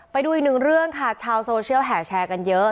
ไปดูอีกหนึ่งเรื่องค่ะชาวโซเชียลแห่แชร์กันเยอะ